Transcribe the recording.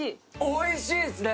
おいしいっすね。